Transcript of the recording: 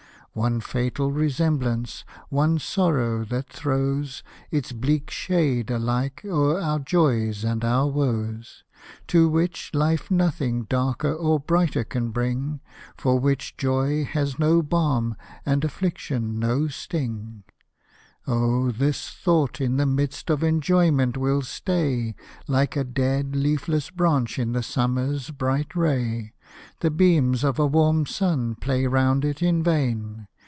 One fatal resemblance, one sorrow that throws Its bleak shade alike o'er our joys and our woes. To which life nothing darker or brighter can bring, For which joy has no balm and affliction no sting — Oh I this thought in the midst of enjoyment will stay. Like a dead, leafless branch in the summer's bright ray; The beams of a warm sun play round it in vain.